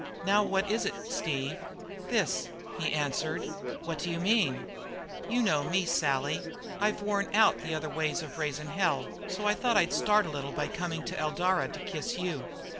"Now what is it, Steve?" "This," he answered. "What d'you mean?" "You know me, Sally. I've worn out the other ways of raising hell, so I thought I'd start a little by coming to Eldara to kiss you."